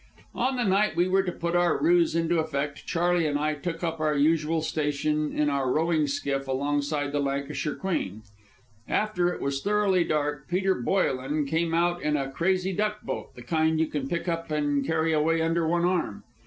On the night we were to put our ruse into effect, Charley and I took up our usual station in our rowing skiff alongside the Lancashire Queen. After it was thoroughly dark, Peter Boyelen came out in a crazy duck boat, the kind you can pick up and carry away under one arm.